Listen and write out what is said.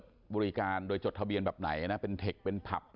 ตอนนี้กำลังจะโดดเนี่ยตอนนี้กำลังจะโดดเนี่ย